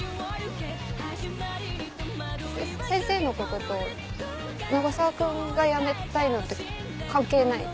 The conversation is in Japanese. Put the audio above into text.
せ先生のことと永沢君が辞めたいのって関係ない？